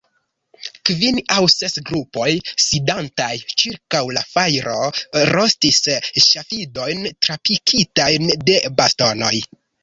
Kvin aŭ ses grupoj, sidantaj ĉirkaŭ la fajro, rostis ŝafidojn trapikitajn de bastonoj.